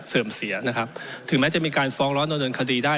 เสริมเสียนะครับถึงแม้จะมีการฟ้องร้อนเดินคดีได้